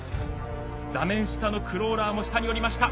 座面下のクローラーも下に下りました。